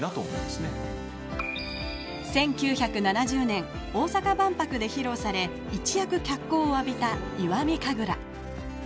１９７０年大阪万博で披露され一躍脚光を浴びた石見神楽。